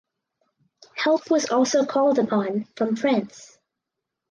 Help was also called upon from France.